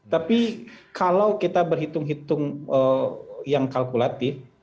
tapi kalau kita berhitung hitung yang kalkulatif